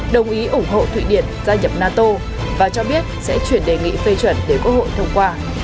đồng ý ủng hộ thụy điển gia nhập nato và cho biết sẽ chuyển đề nghị phê chuẩn để quốc hội thông qua